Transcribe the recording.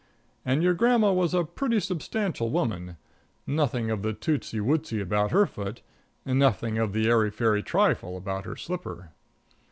And your grandma was a pretty substantial woman. Nothing of the tootsey wootsey about her foot, and nothing of the airy fairy trifle about her slipper.